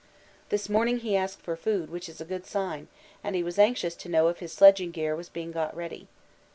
This morning he asked for food, which is a good sign, and he was anxious to know if his sledging gear was being got ready.